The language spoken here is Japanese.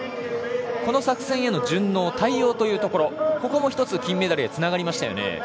この作戦への順応対応というところも１つ金メダルへつながりましたね。